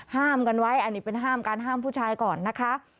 ห้ามกันไว้อันนี้เป็นห้ามการห้ามผู้ชายก่อนนะคะ